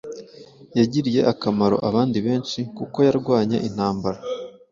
yagiriye akamaro abandi benshi kuko yarwanye intambara